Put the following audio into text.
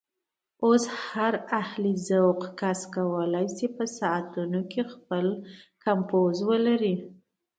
اوس هر اهل ذوق کس کولی شي په ساعتونو کې خپل کمپوز ولري.